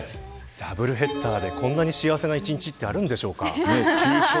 ダブルヘッダーでこんなに幸せな１日ってあるんでしょうか。